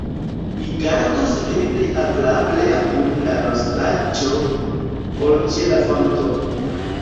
Mi gardus vin pli agrable apud la rostaĵo, ol ĉe la fonto.